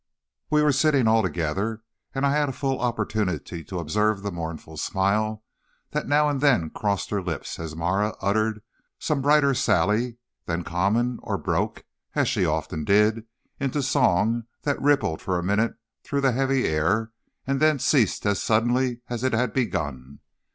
"We were sitting all together, and I had a full opportunity to observe the mournful smile that now and then crossed her lips as Marah uttered some brighter sally than common or broke as she often did into song that rippled for a minute through the heavy air and then ceased as suddenly as it had begun.